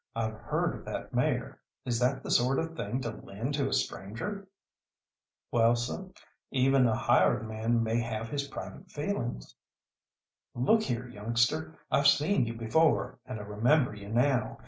I've heard of that mare. Is that the sort of thing to lend to a stranger?" "Well, seh, even a hired man may have his private feelings." "Look here, youngster, I've seen you before, and I remember you now.